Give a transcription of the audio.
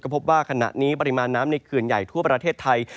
พบว่าขณะนี้ปริมาณน้ำในเขื่อนใหญ่ทั่วประเทศไทย